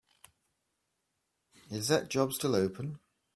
Is that job still open?